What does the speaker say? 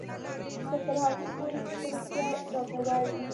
خو تر هغې پورې چې ته رښتيا راته وايې.